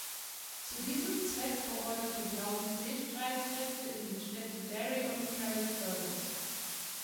Zu diesem Zweck beorderte Blount Seestreitkräfte in die Städte Derry und Carrickfergus.